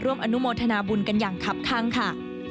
ร่วมอนุโมทนาบุญกันอย่างคับข้างค่ะ